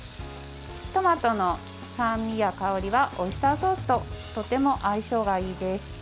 トマトの酸味や香りはオイスターソースととても相性がいいです。